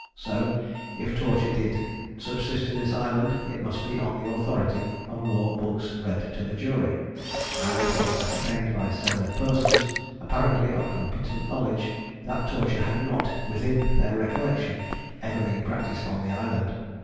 So, if torture did subsist in this island, it must be on the authority of law books read to the jury; and it was ascertained by several persons, apparently of competent knowledge, that torture had not, within their recollection, ever been practised in the island.